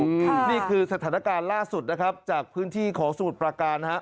นี่คือสถานการณ์ล่าสุดนะครับจากพื้นที่ของสมุทรประการฮะ